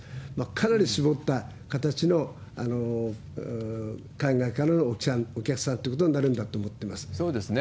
かなり絞った形の海外からのお客さんということになるんだと思っそうですね。